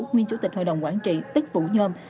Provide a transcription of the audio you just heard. nguyên chủ tịch hội đồng quản trị tích vũ nhôm